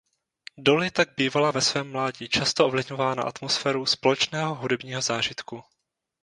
Dolly tak bývala ve svém mládí často ovlivňována atmosférou společného hudebního zážitku.